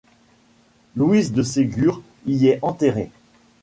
Louise de Ségur y est enterrée.